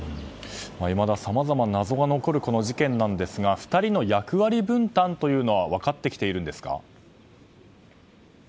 いまださまざまな謎が残る事件ですが２人の役割分担は分かってきているんですか。